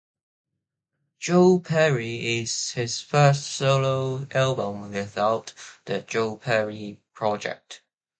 "Joe Perry" is his first solo album without The Joe Perry Project.